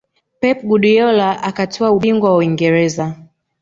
Pep Guardiola akatwaa ubingwa wa Uingereza